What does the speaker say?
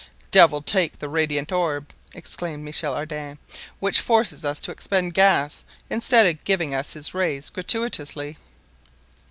"Devil take the radiant orb!" exclaimed Michel Ardan, "which forces us to expend gas, instead of giving us his rays gratuitously."